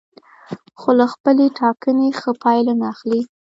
خو له خپلې ټاکنې ښه پایله نه اخلي.